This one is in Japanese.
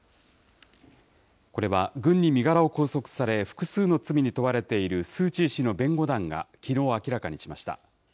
これは軍に身柄を拘束され、複数の罪に問われているスー・チー氏の弁護団がきのう明らかにしました。